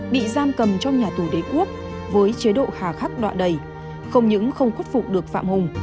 bị giam cầm trong nhà tù đế quốc với chế độ hà khắc đoạ đầy không những không khuất phục được phạm hùng